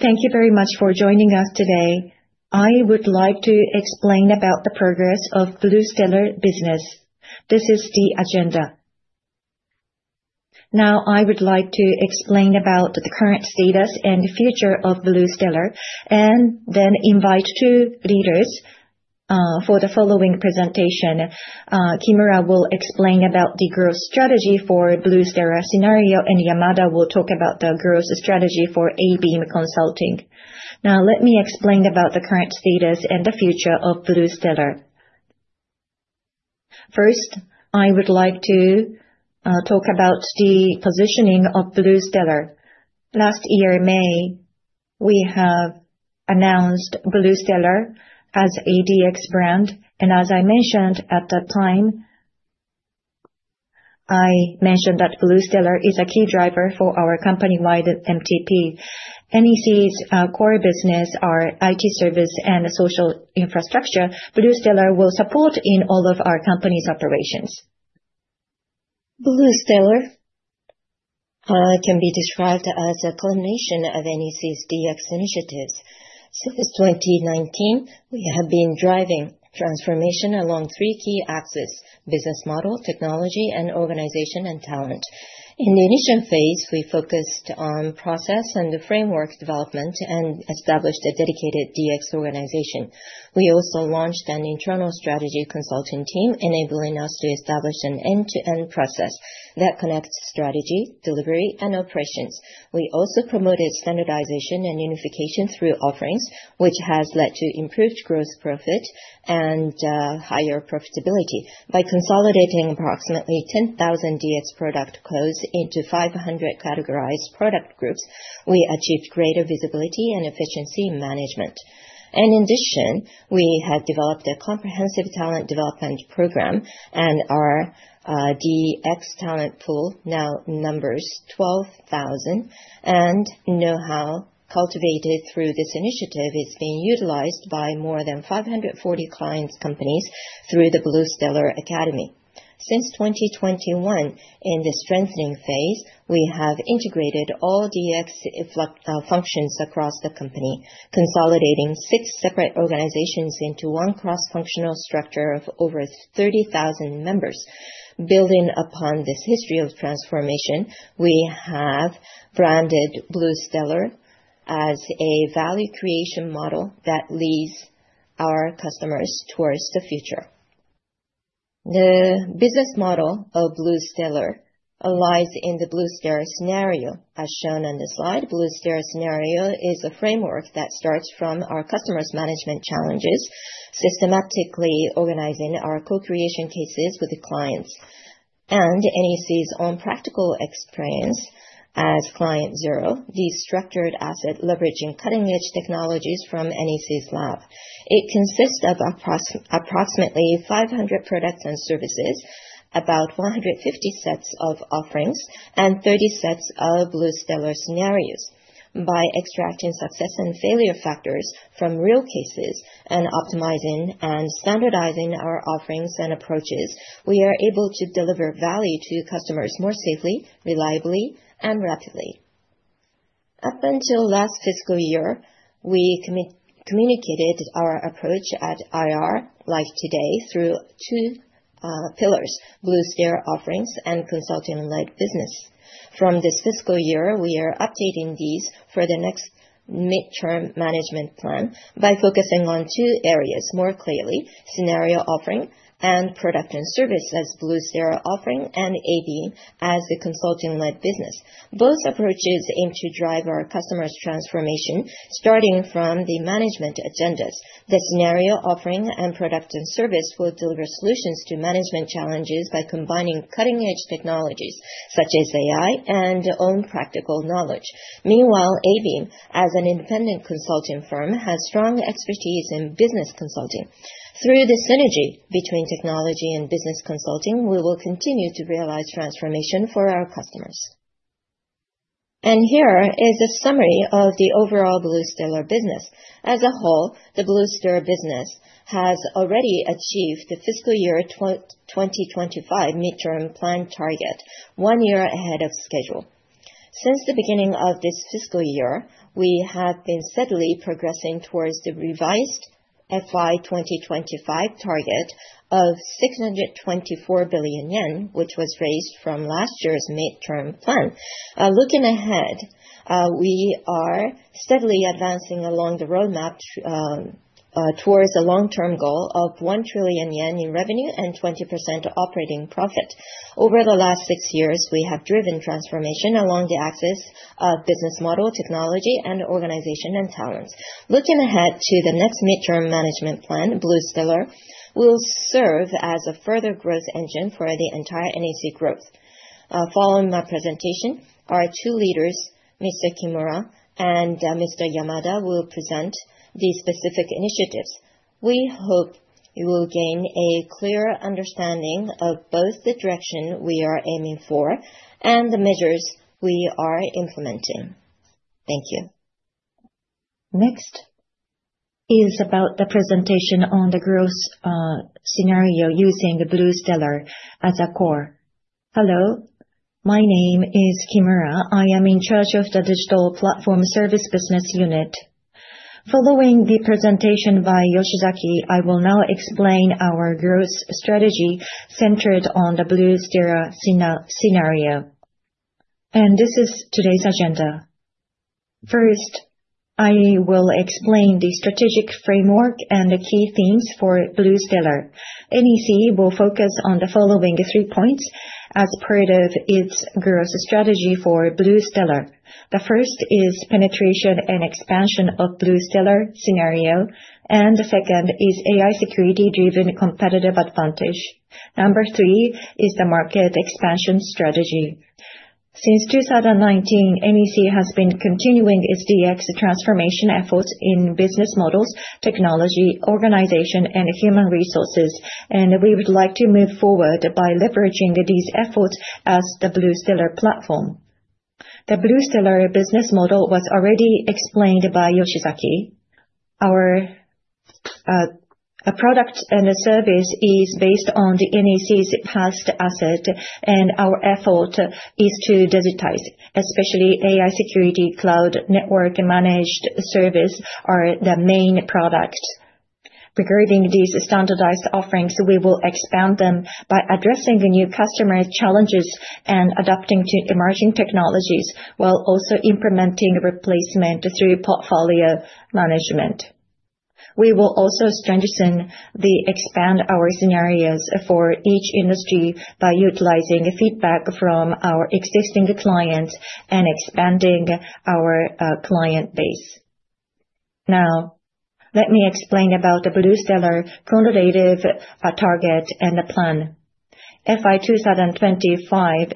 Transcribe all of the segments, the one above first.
Thank you very much for joining us today. I would like to explain about the progress of BluStellar business. This is the agenda. I would like to explain about the current status and future of BluStellar, then invite two leaders for the following presentation. Kimura will explain about the growth strategy for BluStellar Scenario, Yamada will talk about the growth strategy for ABeam Consulting. Let me explain about the current status and the future of BluStellar. First, I would like to talk about the positioning of BluStellar. Last year, May, we have announced BluStellar as a DX brand. As I mentioned at that time, I mentioned that BluStellar is a key driver for our company-wide MTP. NEC's core business are IT Services and Social Infrastructure. BluStellar will support in all of our company's operations. BluStellar can be described as a culmination of NEC's DX initiatives. Since 2019, we have been driving transformation along three key axes: business model, technology, and organization and talent. In the initial phase, we focused on process and the framework development and established a dedicated DX organization. We also launched an internal strategy consulting team, enabling us to establish an end-to-end process that connects strategy, delivery, and operations. We also promoted standardization and unification through offerings, which has led to improved growth, profit, and higher profitability. By consolidating approximately 10,000 DX product codes into 500 categorized product groups, we achieved greater visibility and efficiency in management. In addition, we have developed a comprehensive talent development program and our DX talent pool now numbers 12,000, and know-how cultivated through this initiative is being utilized by more than 540 clients' companies through the BluStellar Academy. Since 2021, in the strengthening phase, we have integrated all DX functions across the company, consolidating six separate organizations into one cross-functional structure of over 30,000 members. Building upon this history of transformation, we have branded BluStellar as a value creation model that leads our customers towards the future. The business model of BluStellar lies in the BluStellar Scenario as shown on this slide. BluStellar Scenario is a framework that starts from our customers' management challenges, systematically organizing our co-creation cases with the clients. NEC's own practical experience as Client Zero, the structured asset leveraging cutting-edge technologies from NEC's lab. It consists of approximately 500 products and services, about 150 sets of offerings, and 30 sets of BluStellar Scenarios. By extracting success and failure factors from real cases and optimizing and standardizing our offerings and approaches, we are able to deliver value to customers more safely, reliably, and rapidly. Up until last fiscal year, we communicated our approach at IR like today through two pillars, BluStellar offerings and consulting-led business. From this fiscal year, we are updating these for the next mid-term management plan by focusing on two areas more clearly, scenario offering and product and service as BluStellar offering and ABeam as the consulting-led business. Both approaches aim to drive our customers' transformation, starting from the management agendas. The scenario offering and product and service will deliver solutions to management challenges by combining cutting-edge technologies such as AI and own practical knowledge. Meanwhile, ABeam, as an independent consulting firm, has strong expertise in business consulting. Through the synergy between technology and business consulting, we will continue to realize transformation for our customers. Here is a summary of the overall BluStellar business. As a whole, the BluStellar business has already achieved the fiscal year 2025 mid-term plan target one year ahead of schedule. Since the beginning of this fiscal year, we have been steadily progressing towards the revised FY 2025 target of 624 billion yen, which was raised from last year's mid-term plan. Looking ahead, we are steadily advancing along the roadmap towards a long-term goal of 1 trillion yen in revenue and 20% operating profit. Over the last six years, we have driven transformation along the axis of business model, technology, and organization and talent. Looking ahead to the next mid-term management plan, BluStellar will serve as a further growth engine for the entire NEC growth. Following my presentation, our two leaders, Mr. Kimura and Mr. Yamada, will present the specific initiatives. We hope you will gain a clearer understanding of both the direction we are aiming for and the measures we are implementing. Thank you. Next is about the presentation on the growth scenario using the BluStellar as a core. Hello, my name is Kimura. I am in charge of the digital platform service business unit. Following the presentation by Yoshizaki, I will now explain our growth strategy centered on the BluStellar Scenario. This is today's agenda. First, I will explain the strategic framework and the key themes for BluStellar. NEC will focus on the following three points as part of its growth strategy for BluStellar. The first is penetration and expansion of BluStellar Scenario, the second is AI security-driven competitive advantage. Number 3 is the market expansion strategy. Since 2019, NEC has been continuing its DX transformation efforts in business models, technology, organization, and human resources. We would like to move forward by leveraging these efforts as the BluStellar platform. The BluStellar business model was already explained by Yoshizaki. Our product and service is based on NEC's past asset, our effort is to digitize, especially AI security, cloud network, and managed service are the main products. Regarding these standardized offerings, we will expand them by addressing the new customer challenges and adapting to emerging technologies while also implementing replacement through portfolio management. We will also strengthen the expand our scenarios for each industry by utilizing feedback from our existing clients and expanding our client base. Now, let me explain about the BluStellar quantitative target and the plan. FY 2025,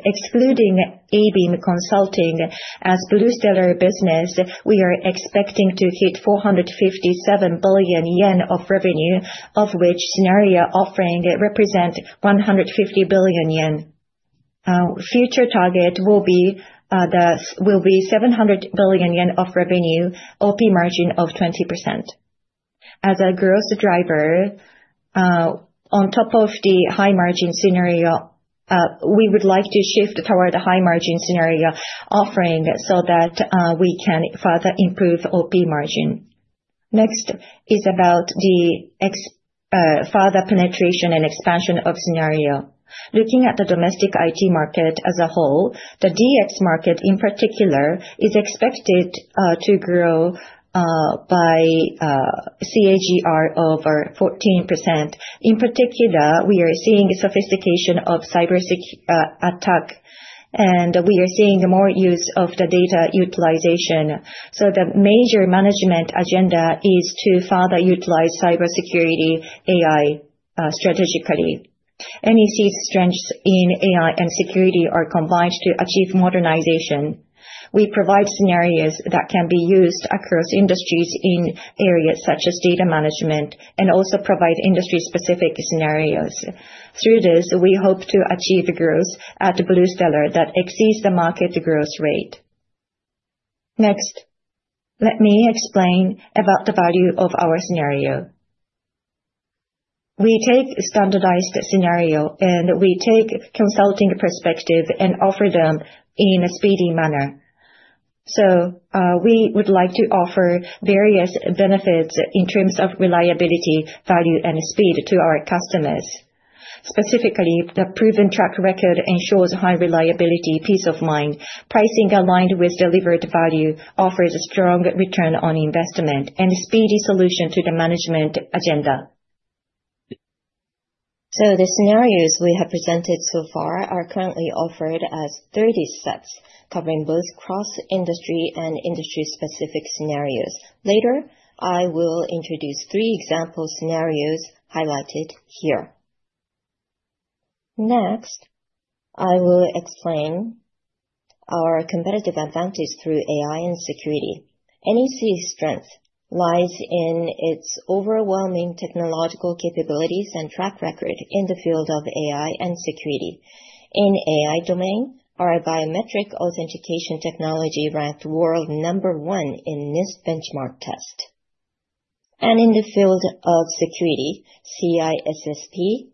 excluding ABeam Consulting as BluStellar business, we are expecting to hit 457 billion yen of revenue, of which scenario offering represents 150 billion yen. Our future target will be 700 billion yen of revenue, OP margin of 20%. As a growth driver, on top of the high margin scenario, we would like to shift toward the high margin scenario offering so that we can further improve OP margin. Next is about the further penetration and expansion of scenario. Looking at the domestic IT market as a whole, the DX market in particular is expected to grow by CAGR over 14%. In particular, we are seeing sophistication of cyber attack, we are seeing more use of the data utilization. The major management agenda is to further utilize cybersecurity AI strategically. NEC's strengths in AI and security are combined to achieve modernization. We provide scenarios that can be used across industries in areas such as data management and also provide industry-specific scenarios. Through this, we hope to achieve growth at BluStellar that exceeds the market growth rate. Next, let me explain about the value of our scenario. We take standardized scenario, and we take consulting perspective and offer them in a speedy manner. We would like to offer various benefits in terms of reliability, value, and speed to our customers. Specifically, the proven track record ensures high reliability, peace of mind. Pricing aligned with delivered value offers strong return on investment and speedy solution to the management agenda. The scenarios we have presented so far are currently offered as 30 steps, covering both cross-industry and industry-specific scenarios. Later, I will introduce three example scenarios highlighted here. Next, I will explain our competitive advantage through AI and security. NEC's strength lies in its overwhelming technological capabilities and track record in the field of AI and security. In AI domain, our biometric authentication technology ranked world number 1 in NIST benchmark test. In the field of security, CISSP,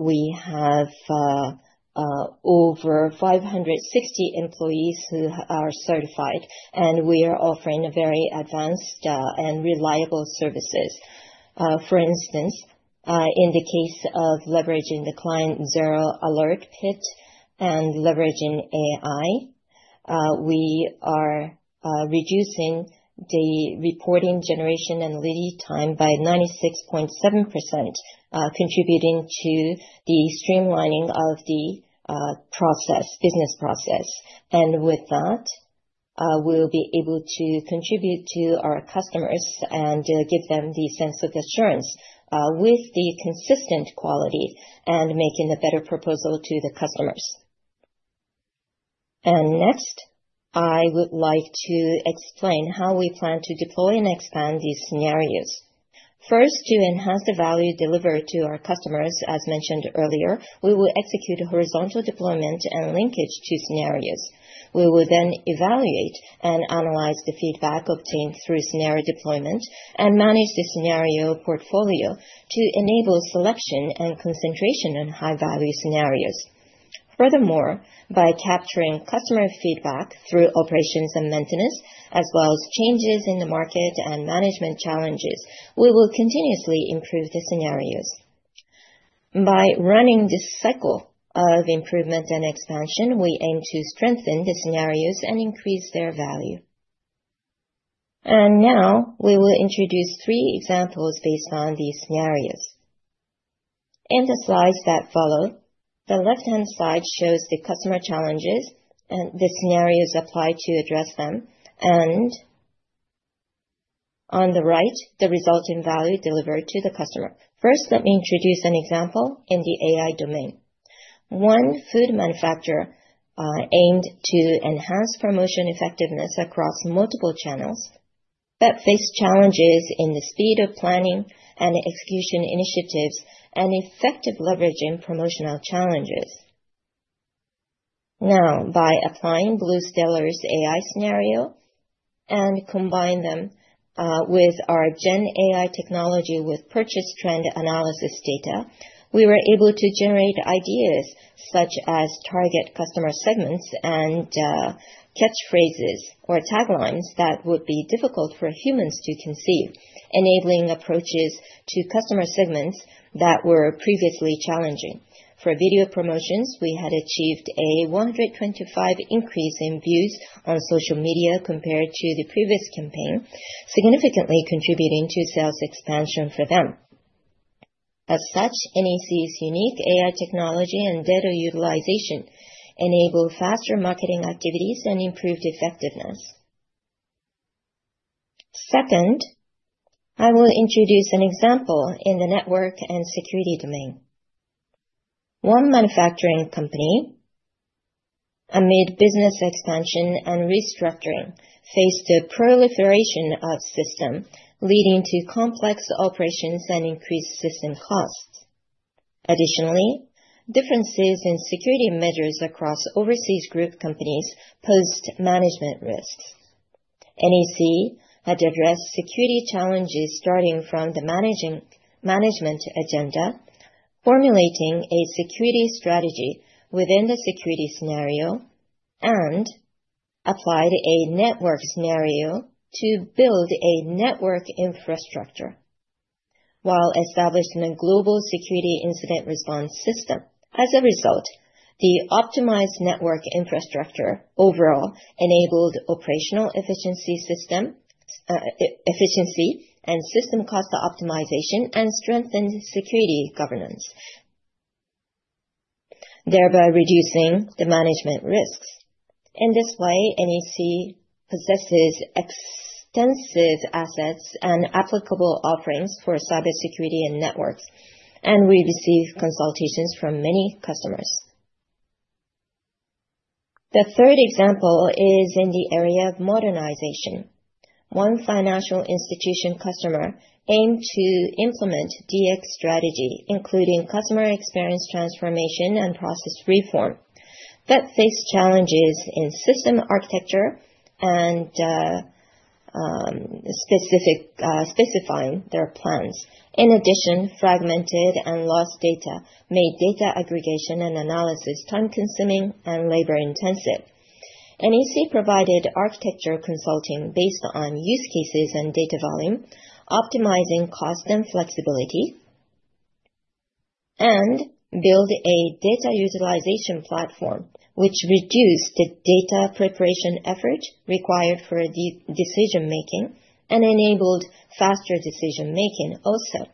we have over 560 employees who are certified, and we are offering very advanced and reliable services. For instance, in the case of leveraging the Client Zero Alert PIT and leveraging AI, we are reducing the reporting generation and lead time by 96.7%, contributing to the streamlining of the business process. With that, we'll be able to contribute to our customers and give them the sense of assurance with the consistent quality and making a better proposal to the customers. Next, I would like to explain how we plan to deploy and expand these scenarios. First, to enhance the value delivered to our customers, as mentioned earlier, we will execute horizontal deployment and linkage to scenarios. We will then evaluate and analyze the feedback obtained through scenario deployment and manage the scenario portfolio to enable selection and concentration on high-value scenarios. Furthermore, by capturing customer feedback through operations and maintenance, as well as changes in the market and management challenges, we will continuously improve the scenarios. By running this cycle of improvement and expansion, we aim to strengthen the scenarios and increase their value. Now we will introduce three examples based on these scenarios. In the slides that follow, the left-hand side shows the customer challenges and the scenarios applied to address them, and on the right, the resulting value delivered to the customer. First, let me introduce an example in the AI domain. One food manufacturer aimed to enhance promotion effectiveness across multiple channels but faced challenges in the speed of planning and execution initiatives and effective leveraging promotional challenges. By applying BluStellar's AI scenario and combine them with our GenAI technology with purchase trend analysis data, we were able to generate ideas such as target customer segments and catchphrases or taglines that would be difficult for humans to conceive, enabling approaches to customer segments that were previously challenging. For video promotions, we had achieved a 125% increase in views on social media compared to the previous campaign, significantly contributing to sales expansion for them. As such, NEC's unique AI technology and data utilization enable faster marketing activities and improved effectiveness. Second, I will introduce an example in the network and security domain. One manufacturing company, amid business expansion and restructuring, faced a proliferation of system, leading to complex operations and increased system costs. Additionally, differences in security measures across overseas group companies posed management risks. NEC had addressed security challenges starting from the management agenda, formulating a security strategy within the security scenario and applied a network scenario to build a network infrastructure while establishing a global security incident response system. As a result, the optimized network infrastructure overall enabled operational efficiency and system cost optimization and strengthened cybersecurity governance, thereby reducing the management risks. In this way, NEC possesses extensive assets and applicable offerings for cybersecurity and networks, and we receive consultations from many customers. The third example is in the area of modernization. One financial institution customer aimed to implement DX strategy, including customer experience transformation and process reform, but faced challenges in system architecture and specifying their plans. Fragmented and lost data made data aggregation and analysis time-consuming and labor-intensive. NEC provided architecture consulting based on use cases and data volume, optimizing cost and flexibility, and build a data utilization platform, which reduced the data preparation effort required for decision-making and enabled faster decision-making also.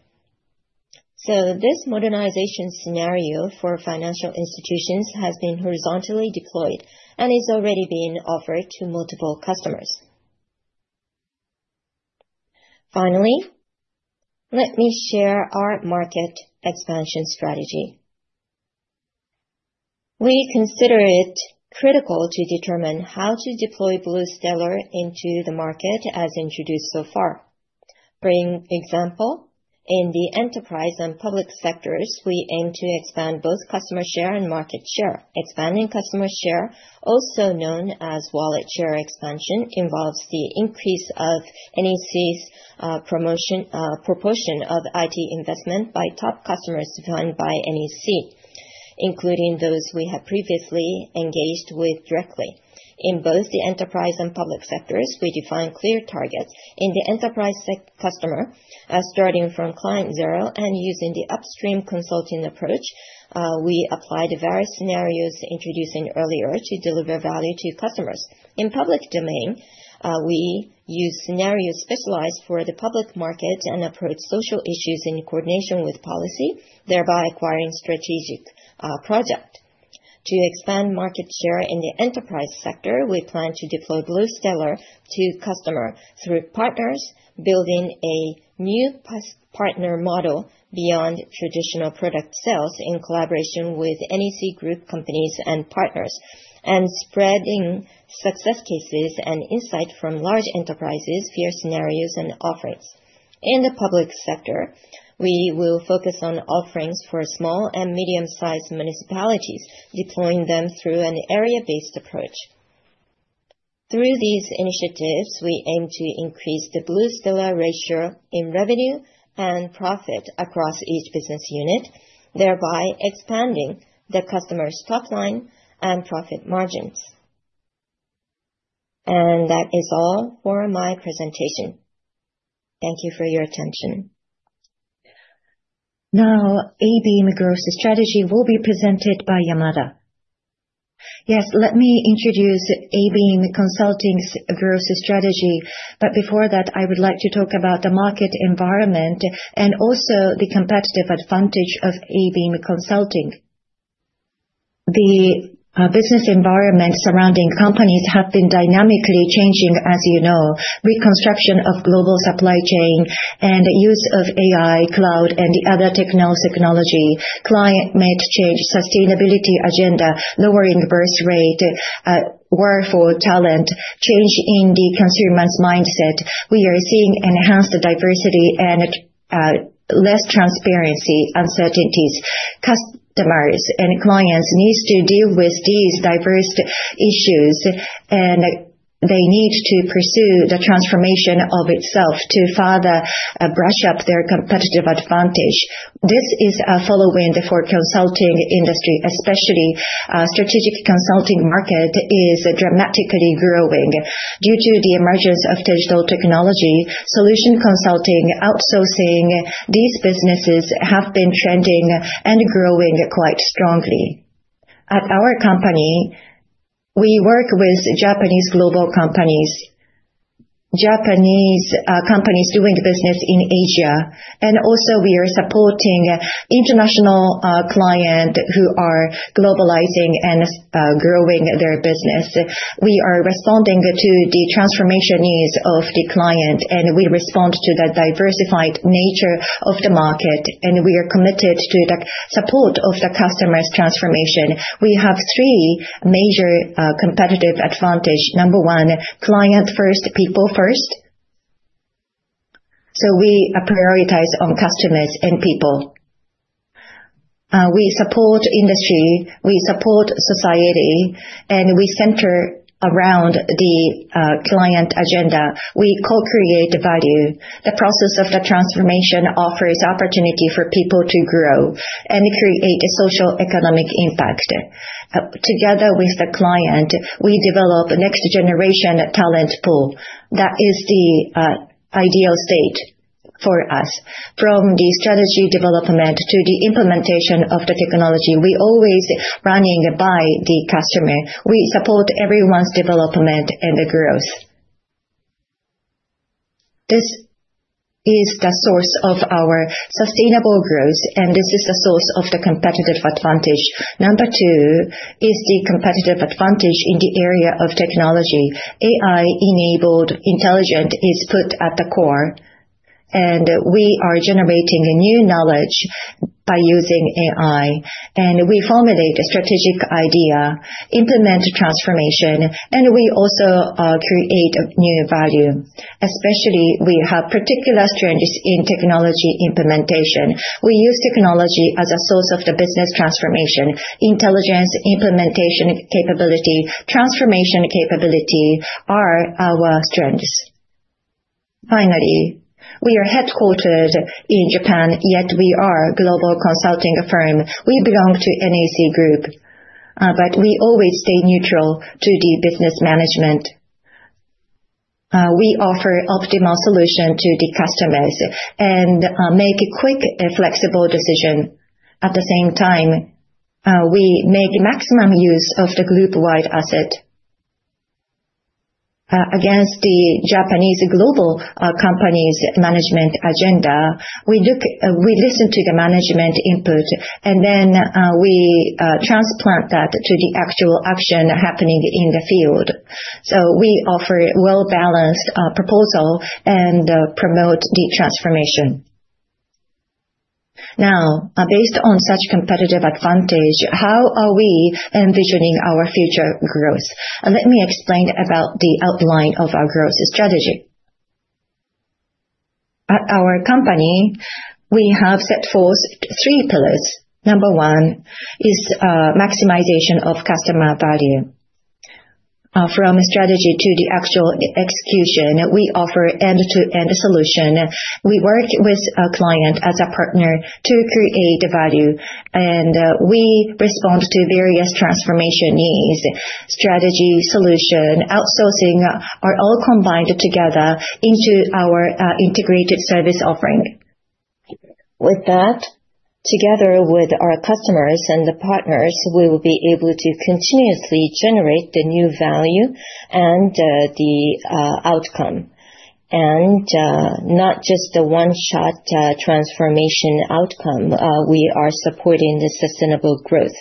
This modernization scenario for financial institutions has been horizontally deployed and is already being offered to multiple customers. Finally, let me share our market expansion strategy. We consider it critical to determine how to deploy BluStellar into the market as introduced so far. Bring example, in the enterprise and public sectors, we aim to expand both customer share and market share. Expanding customer share, also known as wallet share expansion, involves the increase of NEC's proportion of IT investment by top customers defined by NEC, including those we have previously engaged with directly. In both the enterprise and public sectors, we define clear targets. In the enterprise customer, starting from Client Zero and using the upstream consulting approach, we applied various scenarios introducing earlier to deliver value to customers. In public domain, we use scenarios specialized for the public market and approach social issues in coordination with policy, thereby acquiring strategic project. To expand market share in the enterprise sector, we plan to deploy BluStellar to customer through partners, building a new partner model beyond traditional product sales in collaboration with NEC Group companies and partners, and spreading success cases and insight from large enterprises, fear scenarios and offerings. In the public sector, we will focus on offerings for small and medium-sized municipalities, deploying them through an area-based approach. Through these initiatives, we aim to increase the BluStellar ratio in revenue and profit across each business unit, thereby expanding the customer's top line and profit margins. That is all for my presentation. Thank you for your attention. Now, ABeam growth strategy will be presented by Yamada. Yes, let me introduce ABeam Consulting's growth strategy. Before that, I would like to talk about the market environment and also the competitive advantage of ABeam Consulting. The business environment surrounding companies have been dynamically changing, as you know. Reconstruction of global supply chain and use of AI, cloud, and the other technology. Climate change, sustainability agenda, lowering birth rate, workforce talent, change in the consumer's mindset. We are seeing enhanced diversity and less transparency, uncertainties. Customers and clients need to deal with these diverse issues, they need to pursue the transformation of itself to further brush up their competitive advantage. This is a follow wind for consulting industry, especially strategic consulting market is dramatically growing due to the emergence of digital technology. Solution consulting, outsourcing, these businesses have been trending and growing quite strongly. At our company, we work with Japanese global companies, Japanese companies doing business in Asia, also we are supporting international client who are globalizing and growing their business. We are responding to the transformation needs of the client, we respond to the diversified nature of the market, we are committed to the support of the customer's transformation. We have three major competitive advantage. Number one, client first, people first. We prioritize on customers and people. We support industry, we support society, we center around the client agenda. We co-create value. The process of the transformation offers opportunity for people to grow and create a social economic impact. Together with the client, we develop next generation talent pool. That is the ideal state for us. From the strategy development to the implementation of the technology, we always running by the customer. We support everyone's development and the growth. This is the source of our sustainable growth, this is the source of the competitive advantage. Number two is the competitive advantage in the area of technology. AI-enabled intelligence is put at the core, we are generating new knowledge by using AI. We formulate a strategic idea, implement transformation, we also create new value. Especially, we have particular strengths in technology implementation. We use technology as a source of the business transformation. Intelligence, implementation capability, transformation capability are our strengths. Finally, we are headquartered in Japan, yet we are a global consulting firm. We belong to NEC Group, but we always stay neutral to the business management. We offer optimal solution to the customers and make quick and flexible decision. At the same time, we make maximum use of the group wide asset. Against the Japanese global company's management agenda, we listen to the management input, then we transplant that to the actual action happening in the field. We offer well-balanced proposal and promote the transformation. Based on such competitive advantage, how are we envisioning our future growth? Let me explain about the outline of our growth strategy. At our company, we have set forth three pillars. Number one is maximization of customer value. From strategy to the actual execution, we offer end-to-end solution. We work with a client as a partner to create value, we respond to various transformation needs. Strategy, solution, outsourcing are all combined together into our integrated service offering. With that, together with our customers and the partners, we will be able to continuously generate the new value and the outcome Not just a one-shot transformation outcome, we are supporting the sustainable growth.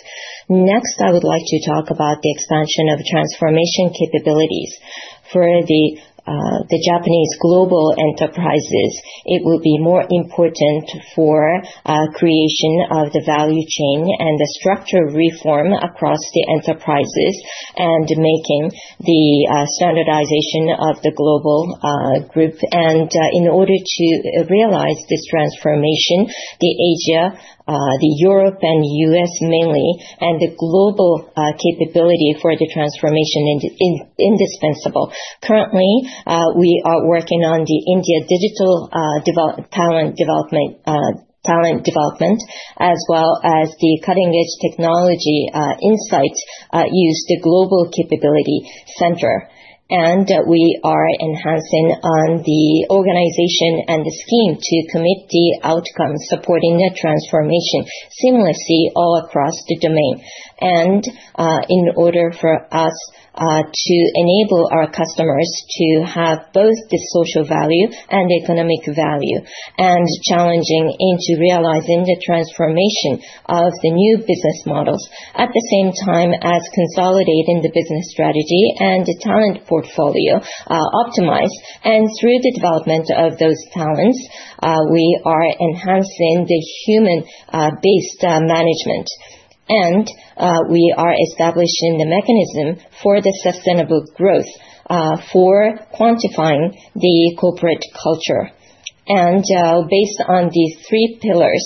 I would like to talk about the expansion of transformation capabilities. For the Japanese global enterprises, it will be more important for creation of the value chain and the structure reform across the enterprises, making the standardization of the global group. In order to realize this transformation, the Asia, the Europe, and U.S. mainly, the Global Capability for the transformation indispensable. Currently, we are working on the India digital talent development, as well as the cutting-edge technology insights use the Global Capability Center. We are enhancing on the organization and the scheme to commit the outcome, supporting the transformation seamlessly all across the domain. In order for us to enable our customers to have both the social value and economic value, challenging into realizing the transformation of the new business models, at the same time as consolidating the business strategy and the talent portfolio optimized. Through the development of those talents, we are enhancing the human-based management. We are establishing the mechanism for the sustainable growth for quantifying the corporate culture. Based on these three pillars,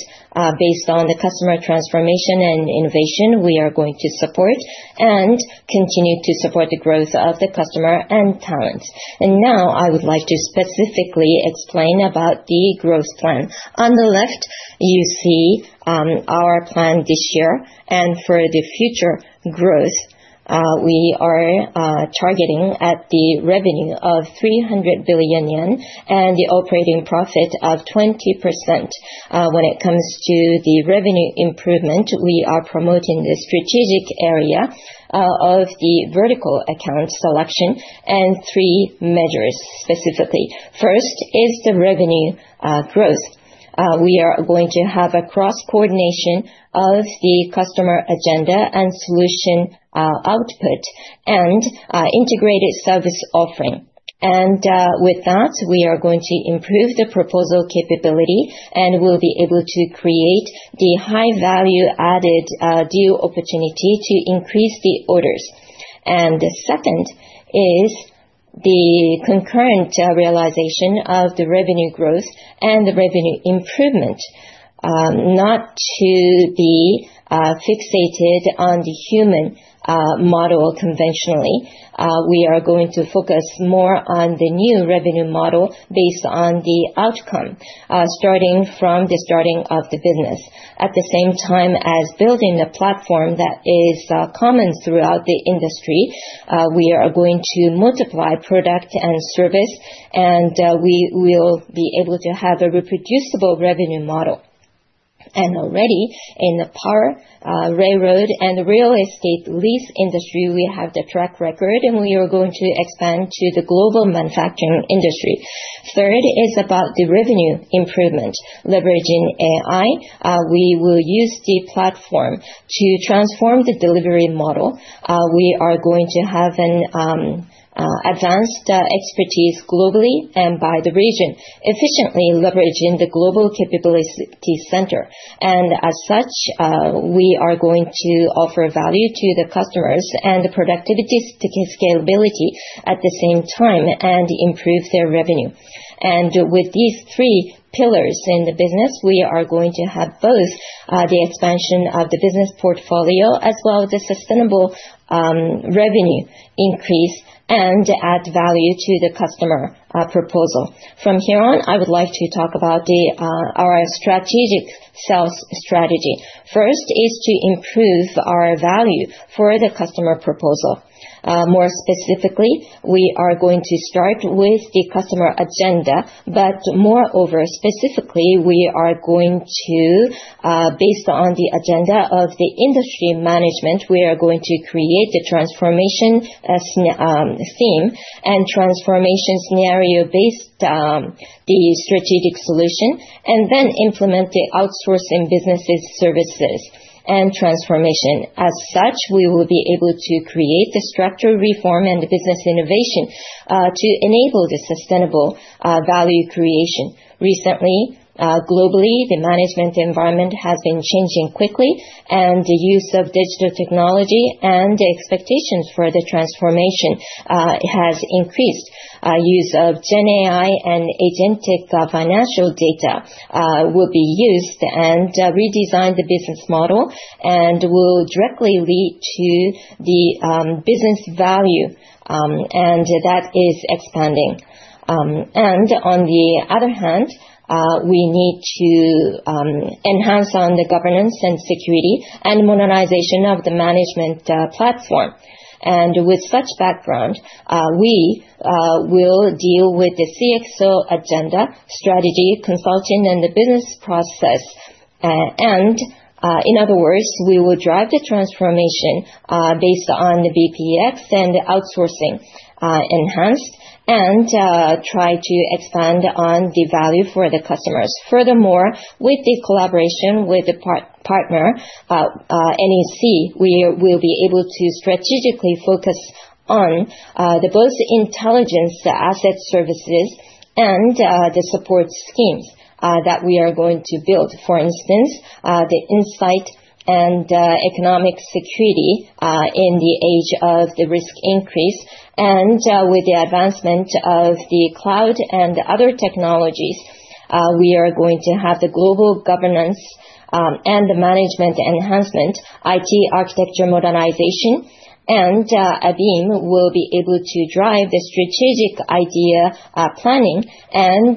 based on the customer transformation and innovation, we are going to support and continue to support the growth of the customer and talent. Now I would like to specifically explain about the growth plan. On the left, you see our plan this year. For the future growth, we are targeting at the revenue of 300 billion yen and the operating profit of 20%. When it comes to the revenue improvement, we are promoting the strategic area of the vertical account selection and 3 measures specifically. First is the revenue growth. We are going to have a cross-coordination of the customer agenda and solution output and integrated service offering. With that, we are going to improve the proposal capability, and we'll be able to create the high value added deal opportunity to increase the orders. The second is the concurrent realization of the revenue growth and the revenue improvement. Not to be fixated on the human model conventionally, we are going to focus more on the new revenue model based on the outcome, starting from the starting of the business. At the same time as building a platform that is common throughout the industry, we are going to multiply product and service, we will be able to have a reproducible revenue model. Already in the power, railroad, and real estate lease industry, we have the track record, we are going to expand to the global manufacturing industry. Third is about the revenue improvement. Leveraging AI, we will use the platform to transform the delivery model. We are going to have an advanced expertise globally and by the region, efficiently leveraging the Global Capability Center. As such, we are going to offer value to the customers and the productivity scalability at the same time and improve their revenue. With these three pillars in the business, we are going to have both the expansion of the business portfolio as well as the sustainable revenue increase and add value to the customer proposal. From here on, I would like to talk about our strategic sales strategy. First is to improve our value for the customer proposal. More specifically, we are going to start with the customer agenda, but moreover, specifically, based on the agenda of the industry management, we are going to create the transformation theme and transformation scenario based on the strategic solution, and then implement the outsourcing businesses services and transformation. As such, we will be able to create the structure reform and business innovation to enable the sustainable value creation. Recently, globally, the management environment has been changing quickly, and the use of digital technology and expectations for the transformation has increased. Use of GenAI and agentic AI will be used and redesign the business model, and will directly lead to the business value, and that is expanding. On the other hand, we need to enhance on the governance and security and modernization of the management platform. With such background, we will deal with the CXO agenda, strategy, consulting, and the business process. In other words, we will drive the transformation based on the BPF and outsourcing enhanced and try to expand on the value for the customers. Furthermore, with the collaboration with the partner, NEC, we will be able to strategically focus on both intelligence asset services and the support schemes that we are going to build. For instance, the insight and economic security in the age of the risk increase, and with the advancement of the cloud and other technologies, we are going to have the global governance and the management enhancement, IT architecture modernization, and ABeam will be able to drive the strategic idea planning and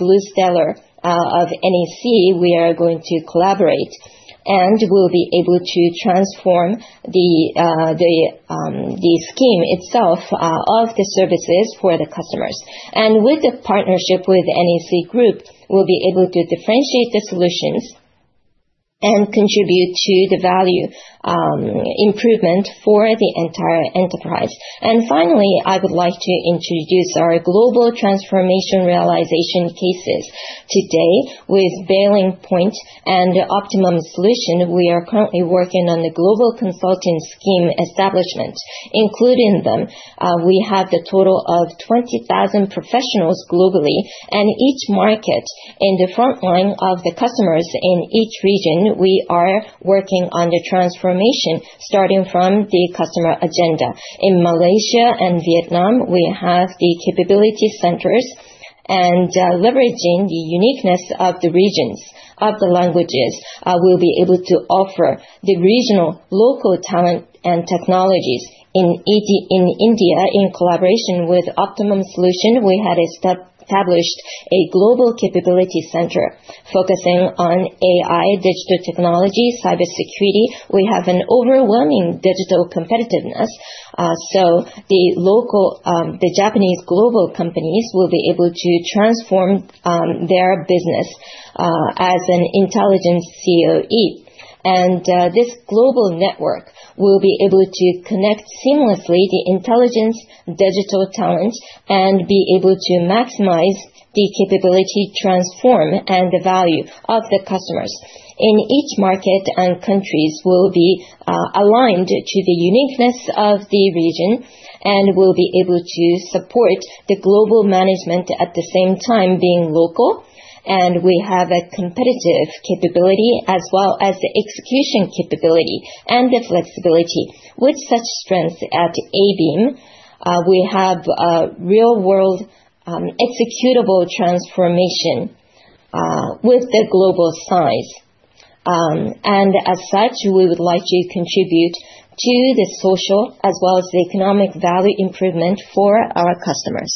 BluStellar of NEC, we are going to collaborate, and we'll be able to transform the scheme itself of the services for the customers. With the partnership with NEC Group, we'll be able to differentiate the solutions and contribute to the value improvement for the entire enterprise. Finally, I would like to introduce our global transformation realization cases today with BearingPoint and Optimum Solutions. We are currently working on the global consulting scheme establishment. Including them, we have the total of 20,000 professionals globally and each market in the front line of the customers in each region, we are working on the transformation, starting from the customer agenda. In Malaysia and Vietnam, we have the capability centers, and leveraging the uniqueness of the regions, of the languages, we'll be able to offer the regional local talent and technologies. In India, in collaboration with Optimum Solutions, we had established a Global Capability Center focusing on AI, digital technology, cybersecurity. We have an overwhelming digital competitiveness. The Japanese global companies will be able to transform their business as an intelligent COE. This global network will be able to connect seamlessly the intelligence, digital talent, and be able to maximize the capability transform and the value of the customers. In each market and countries, we'll be aligned to the uniqueness of the region, and we'll be able to support the global management at the same time being local. We have a competitive capability as well as the execution capability and the flexibility. With such strength at ABeam, we have a real-world executable transformation with the global size. As such, we would like to contribute to the social as well as the economic value improvement for our customers.